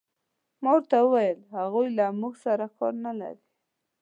ما ورته وویل: هغوی له موږ سره کار نه لري.